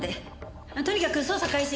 とにかく捜査開始。